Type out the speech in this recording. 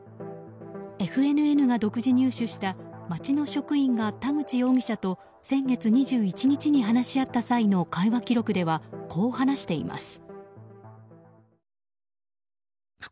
ＦＮＮが独自入手した町の職員が田口容疑者と先月２１日に話し合った際の会話記録ではこう話しています。